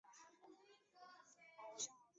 西安河畔厄盖维尔。